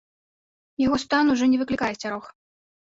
Яго стан ужо не выклікае асцярог.